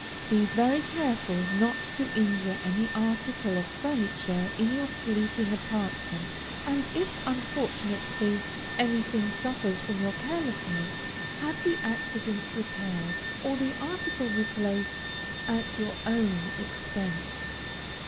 Be very careful not to injure any article of furniture in your sleeping apartment, and if, unfortunately, anything suffers from your carelessness, have the accident repaired, or the article replaced, at your own expense.